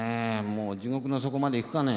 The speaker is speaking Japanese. もう地獄の底まで行くかね。